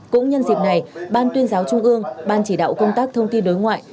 cũng nhân dịp này ban tuyên giáo trung ương ban chỉ đạo công tác thông tin đối ngoại